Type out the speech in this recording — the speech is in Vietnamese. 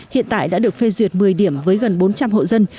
hiện tại đã được phê duyệt một mươi điểm với gần bốn trăm linh hộ dân